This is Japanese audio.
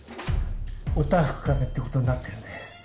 おたふくかぜってことになってるんで。